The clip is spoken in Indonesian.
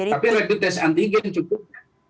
tapi rapid test antigen cukup